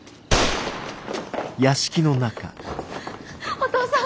お父さん！